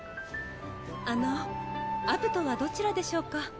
あのアブトはどちらでしょうか？